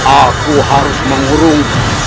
aku harus mengurung